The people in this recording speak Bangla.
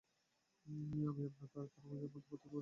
আমি আপনার আর থাঙ্গারাজের মধ্যে পার্থক্য করি না।